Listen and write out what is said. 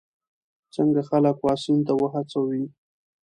څنګه خلک واکسین ته وهڅوو؟